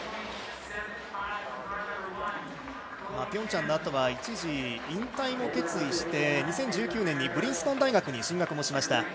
ピョンチャンのあとは一時引退も決意して２０１９年にブリンストン大学に進学もしました。